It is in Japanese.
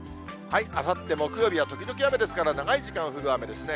あさって木曜日は時々雨ですから、長い時間降る雨ですね。